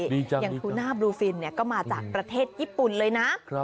อย่างทูน่าบลูฟินก็มาจากประเทศญี่ปุ่นเลยนะ